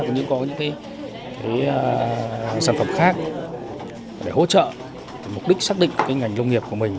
nhưng có những sản phẩm khác để hỗ trợ mục đích xác định cái ngành lông nghiệp của mình